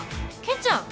健ちゃん。